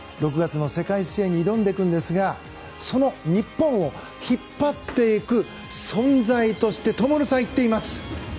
６月の世界水泳に挑んでいくんですがその日本を引っ張っていく存在として灯さん、言っています